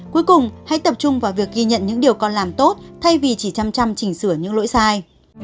cuối cùng hãy tập trung vào việc ghi nhận những điều con làm tốt thay vì chỉ chăm chăm chỉnh sửa những lỗi sai